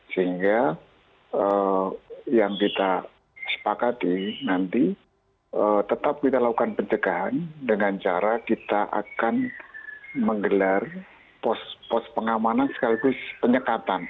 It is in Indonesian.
sehingga yang kita sepakati nanti tetap kita lakukan pencegahan dengan cara kita akan menggelar pos pengamanan sekaligus penyekatan